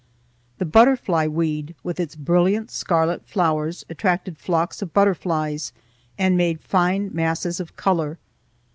The butterfly weed, with its brilliant scarlet flowers, attracted flocks of butterflies and made fine masses of color.